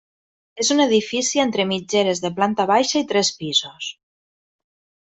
És un edifici entre mitgeres de planta baixa i tres pisos.